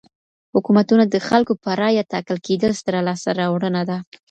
حکومتونه د خلګو په رايه ټاکل کېدل ستره لاسته راوړنه ده.